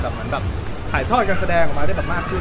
ถ่ายทอดการแสดงออกมาได้มากขึ้น